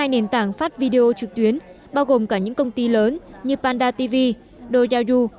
một mươi hai nền tảng phát video trực tuyến bao gồm cả những công ty lớn như panda tv doja du